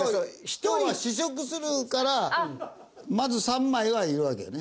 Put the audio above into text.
今日は試食するからまず３枚はいるわけよね。